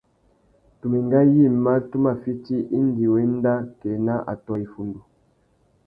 Tu mà enga yïmá tu má fiti indi wá enda kā ena atõh iffundu.